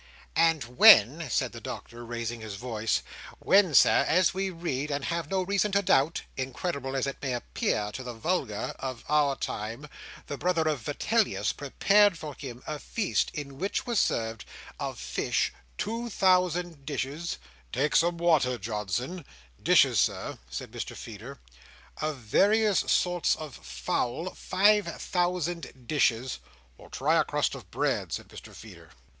"And when," said the Doctor, raising his voice, "when, Sir, as we read, and have no reason to doubt—incredible as it may appear to the vulgar—of our time—the brother of Vitellius prepared for him a feast, in which were served, of fish, two thousand dishes—" "Take some water, Johnson—dishes, Sir," said Mr Feeder. "Of various sorts of fowl, five thousand dishes." "Or try a crust of bread," said Mr Feeder.